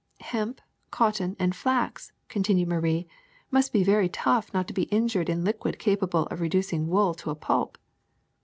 '' *'Hemp, cotton, and flax," continued Marie, ^^must be very tough not to be injured in a liquid capable of reducing wool to a pulp.